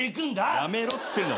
やめろっつってんだ。